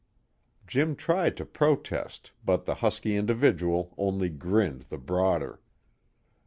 Jim tried to protest, but the husky individual only grinned the broader.